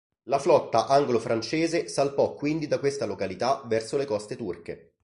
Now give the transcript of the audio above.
La flotta anglo-francese salpò quindi da questa località verso le coste turche.